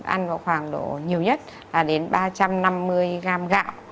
ăn có khoảng độ nhiều nhất là đến ba trăm năm mươi gram gạo